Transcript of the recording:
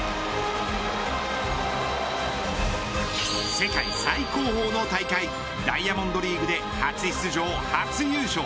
世界最高峰の大会ダイヤモンドリーグで初出場、初優勝。